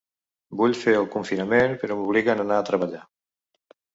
Vull fer el confinament però m’obliguen a anar treballar.